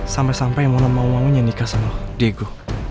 sampai sampai mona mau mau nyanyi kasal digo